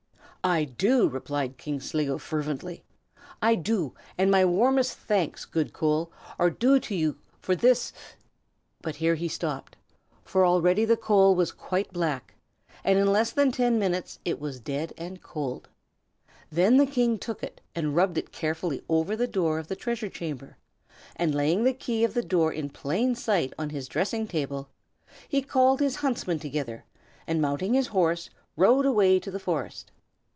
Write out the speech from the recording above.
"I do!" replied King Sligo, fervently, "I do, and my warmest thanks, good Coal, are due to you for this " But here he stopped, for already the coal was quite black, and in less than ten minutes it was dead and cold. Then the King took it and rubbed it carefully over the door of the treasure chamber, and laying the key of the door in plain sight on his dressing table, he called his huntsmen together, and mounting his horse, rode away to the forest.